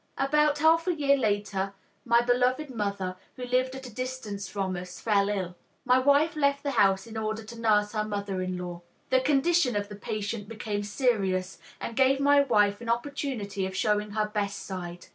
About half a year later my beloved mother, who lived at a distance from us, fell ill. My wife left the house in order to nurse her mother in law. The condition of the patient became serious, and gave my wife an opportunity of showing her best side.